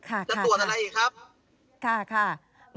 จะตรวจอะไรอีกครับค่ะ